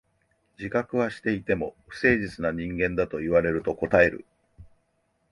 自覚はしていても、不誠実な人間だと言われると応える。